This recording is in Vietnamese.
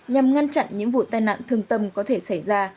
nhằm ngăn chặn những vụ tai nạn thương tâm có thể xảy ra